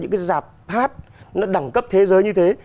những cái giạp hát nó đẳng cấp thế giới như thế